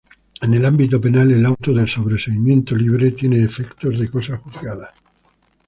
En el ámbito penal, el Auto de sobreseimiento libre tiene efectos de cosa juzgada.